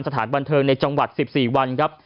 สถานบันเทิงในจังหวัด๑๔วันครับ